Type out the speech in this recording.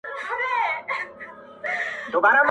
اوس مو خاندي غلیمان پر شړۍ ورو ورو.!